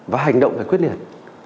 và hành động phải quyết liệt